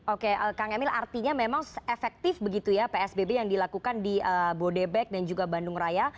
oke kang emil artinya memang efektif begitu ya psbb yang dilakukan di bodebek dan juga bandung raya